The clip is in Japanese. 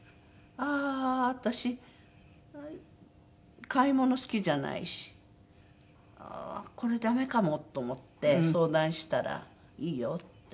ああ私買い物好きじゃないしこれダメかもと思って相談したら「いいよ」って。